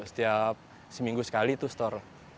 setiap seminggu sekali itu store